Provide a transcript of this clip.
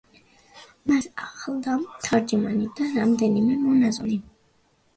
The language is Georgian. მას ახლდა თარჯიმანი და რამდენიმე მონაზონი.